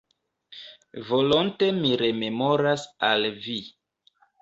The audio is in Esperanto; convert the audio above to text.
Volonte mi rememoras al Vi.